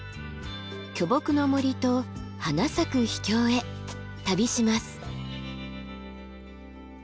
巨木の森と花咲く秘境へ旅します。